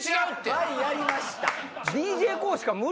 はいやりました！